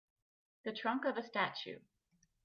The trunk of a statue